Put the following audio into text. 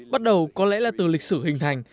bắt đầu có lẽ là từ lịch sử hình thành